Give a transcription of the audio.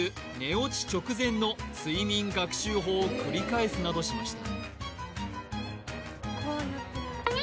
落ち直前の睡眠学習法を繰り返すなどしました